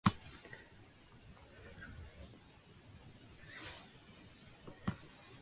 Outstanding Alumni Award by Lancaster University